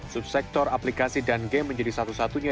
subsektor aplikasi dan game menjadi satu satunya